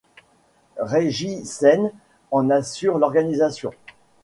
Régie Scène en assure l'organisation.